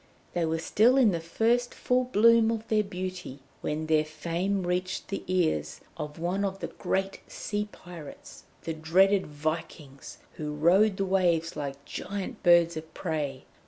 They were still in the first full bloom of their beauty when their fame reached the ears of one of the great sea pirates, the dreaded Vikings who rode the waves like giant birds of prey.